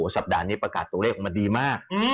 สัปดาห์นี้ประกาศตัวเลขออกมาดีมาก